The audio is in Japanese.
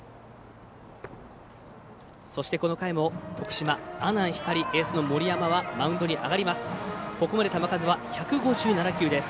そして、この回は徳島、阿南光のエースの森山マウンドに上がります。